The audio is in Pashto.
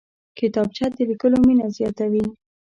کتابچه د لیکلو مینه زیاتوي